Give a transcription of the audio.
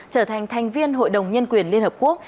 trở thành thành viên hội đồng nhân quyền liên hợp quốc